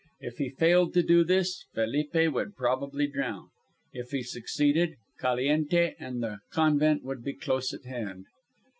If he failed to do this Felipe would probably drown. If he succeeded, Caliente and the convent would be close at hand.